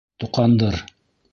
Тоҡандыр!